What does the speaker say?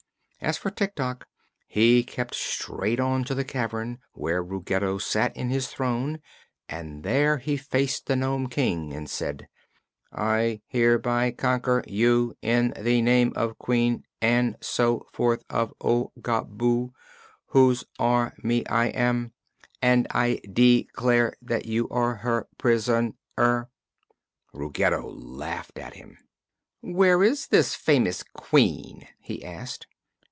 As for Tik Tok, he kept straight on to the cavern where Ruggedo sat in his throne and there he faced the Nome King and said: "I here by con quer you in the name of Queen Ann So forth of Oo ga boo, whose Ar my I am, and I de clare that you are her pris on er!" Ruggedo laughed at him. "Where is this famous Queen?" he asked.